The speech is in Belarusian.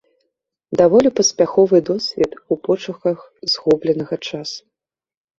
Даволі паспяховы досвед у пошуках згубленага часу.